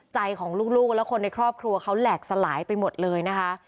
ใจของลูกและคนในครอบครัวเขาแหลกสลายไปหมดเลยนะคะ